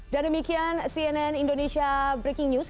dan demikian cnn indonesia breaking news